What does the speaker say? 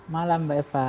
malam mbak eva